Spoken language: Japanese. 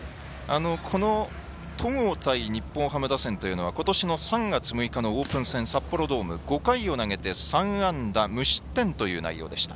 戸郷対日本ハム打線というのはことしの３月６日のオープン戦札幌ドーム、５回を投げて３安打無失点という内容でした。